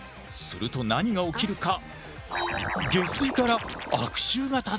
すると何が起きるか？は。